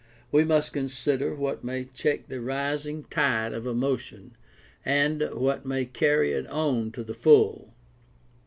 We must consider what may check the rising tide of emotion and what may carry it on to the full.